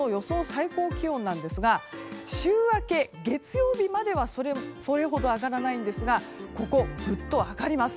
最高気温なんですが週明け月曜日まではそれほど上がらないんですがここグッと上がります。